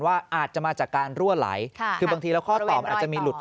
อาจจะมาจากการรั่วไหลคือบางทีแล้วข้อตอบอาจจะมีหลุด